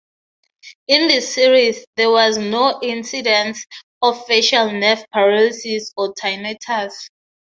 In this series, there was no incidence of facial nerve paralysis or tinnitus.